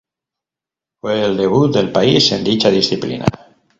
Fue el debut del país en dicha disciplina.